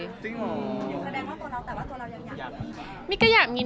อยู่แปลงว่าตัวเราแต่ว่าตัวเรายังอยากมีค่ะ